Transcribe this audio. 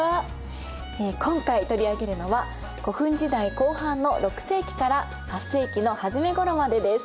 今回取り上げるのは古墳時代後半の６世紀から８世紀の初めごろまでです。